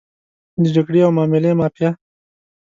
د جګړې او معاملې مافیا.